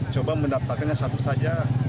coba mendaptarkan yang satu saja